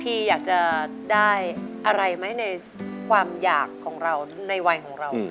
พี่อยากจะได้อะไรไหมในความอยากของเราในวัยของเรา